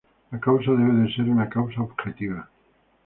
La causa debe ser una causa objetiva.